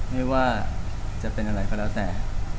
ไม่ว่าจะเป็นอะไรก็แล้วแต่